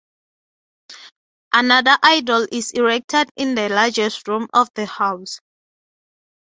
Another idol is erected in the largest room of the house.